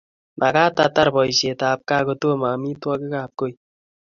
Magaat atar boishetab gaa kotomo amitwogikab koi